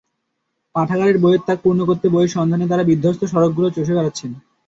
পাঠাগারের বইয়ের তাক পূর্ণ করতে বইয়ের সন্ধানে তাঁরা বিধ্বস্ত সড়কগুলো চষে বেড়াচ্ছেন।